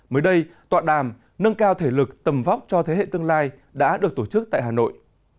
mới đây tọa đàm nâng cao thể lực tầm vóc cho thế hệ tương lai đã được tổ chức tại hà nội